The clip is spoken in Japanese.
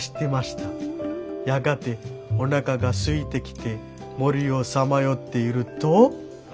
やがておなかがすいてきて森をさまよっていると」。